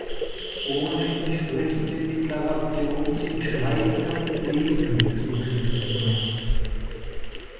Ohne entsprechende Deklaration sind schreibende und lesende Zugriffe gemeint.